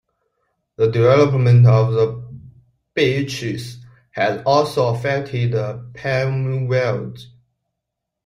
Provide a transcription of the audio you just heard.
The development of the Beaches has also affected Palm Valley.